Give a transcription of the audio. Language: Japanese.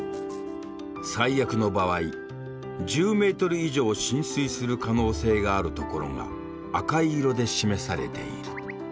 最悪の場合１０メートル以上浸水する可能性があるところが赤色で示されている。